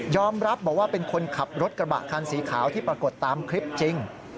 รับบอกว่าเป็นคนขับรถกระบะคันสีขาวที่ปรากฏตามคลิปจริง